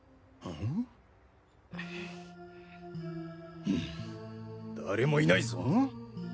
ん誰もいないぞ？